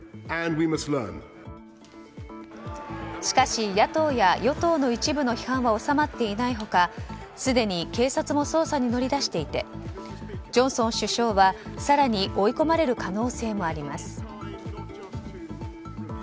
しかし、野党や与党の一部の批判は収まっていない他すでに警察も捜査に乗り出していてジョンソン首相は更に追い込まれる可能性もあります。